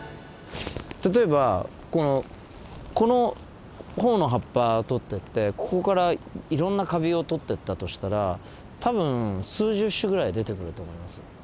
例えばこのホオの葉っぱをとってってここからいろんなカビをとってったとしたら多分数十種ぐらい出てくると思います。